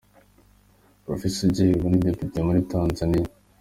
Professor Jay, ubu ni Depite muri Tanzaniya.